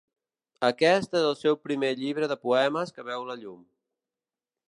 Aquest és el seu primer llibre de poemes que veu la llum.